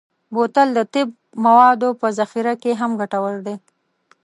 بوتل د طب موادو په ذخیره کې هم ګټور دی.